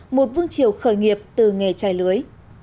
một vương triều khởi nghiệp từ nghề chai lưới